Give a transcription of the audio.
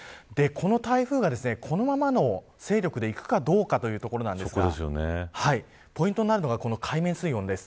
この台風がこのままの勢力でいくかどうかというところですがポイントになるのが海面水温です。